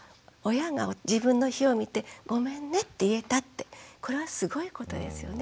親が自分の非を見て「ごめんね」って言えたってこれはすごいことですよね。